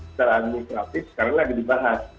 secara administratif sekarang lagi dibahas